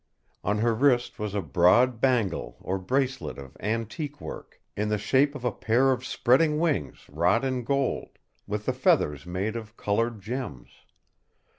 On her wrist was a broad bangle or bracelet of antique work, in the shape of a pair of spreading wings wrought in gold, with the feathers made of coloured gems.